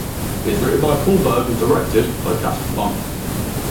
It was written by Poul Berg and directed by Kaspar Munk.